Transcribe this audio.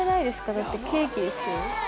だってケーキですよ